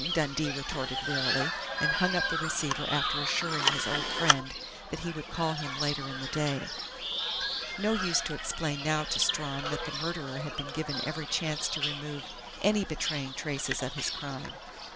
Dundee retorted wearily, and hung up the receiver after assuring his old friend that he would call on him later in the day. No use to explain now to Strawn that the murderer had been given every chance to remove any betraying traces of his crime.